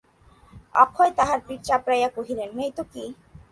অক্ষয় তাহার পিঠ চাপড়াইয়া কহিলেন, নেই তো কী?